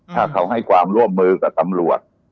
ถ้าเขาให้ความร่วมมือกับตำรวจ